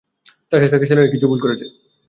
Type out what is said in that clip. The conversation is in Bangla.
তার সাথে থাকা ছেলেরা কিছু ভুল করেছে।